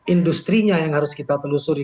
industrinya yang harus kita telusuri